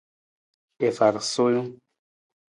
I far suwii.